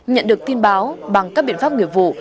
nhận được tin báo bằng các biện pháp nghiệp vụ